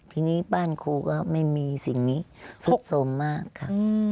ทีนี้บ้านครูก็ไม่มีสิ่งนี้สุดสมมากค่ะ